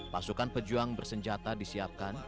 pasukan pejuang bersenjata disiapkan